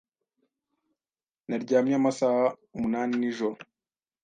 Naryamye amasaha umunani nijoro.